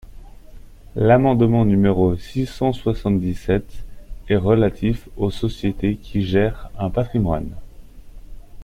L’amendement numéro six cent soixante-dix-sept est relatif aux sociétés qui gèrent un patrimoine.